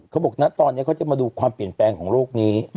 เขาบอกนะตอนนี้เขาจะมาดูความเปลี่ยนแปลงของโลกนี้